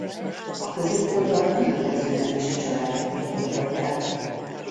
A középkorban különböző nemesi családok birtokolták.